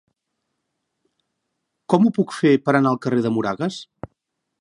Com ho puc fer per anar al carrer de Moragas?